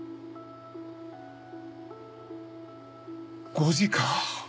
５時か。